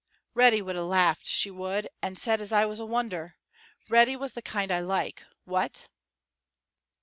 "Reddy would have laughed, she would, and said as I was a wonder. Reddy was the kind I like. What?